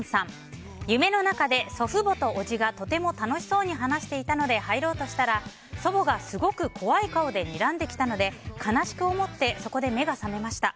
夢の中で祖父母とおじがとても楽しそうに話していたので入ろうとしたら祖母がすごく怖い顔でにらんできたので悲しく思ってそこで目が覚めました。